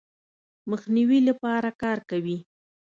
مخنیوي لپاره کار کوي.